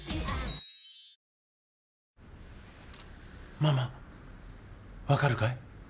ママわかるかい？